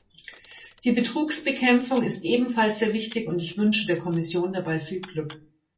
Die Betrugsbekämpfung ist ebenfalls sehr wichtig, und ich wünsche der Kommission dabei viel Glück.